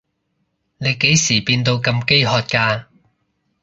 你幾時變到咁飢渴㗎？